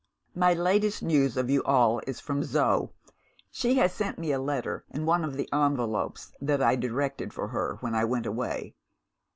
"My latest news of you all is from Zo. She has sent me a letter, in one of the envelopes that I directed for her when I went away.